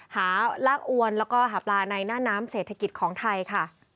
หาลากอวนแล้วก็หาปลาในหน้าน้ำเศรษฐกิจของไทยค่ะ